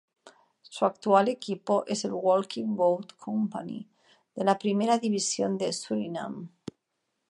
Su actual equipo es el Walking Bout Company, de la Primera división de Surinam.